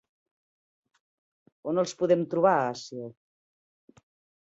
On els podem trobar a Àsia?